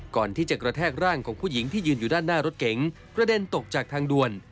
ก่อนที่จะกระแทกร่างของผู้หญิงที่ยืนอยู่ด้านหน้ารถเก๋งกระเด็นตกจากทางด่วน